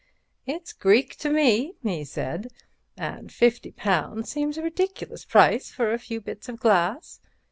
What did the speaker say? "It's Greek to me," he said, "and £50 seems a ridiculous price for a few bits of glass.